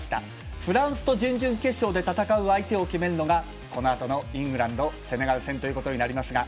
フランスと準々決勝で戦う相手を決めるのがこのあとのイングランドセネガル戦ということになります。